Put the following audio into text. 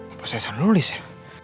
apa saya salah nulis ya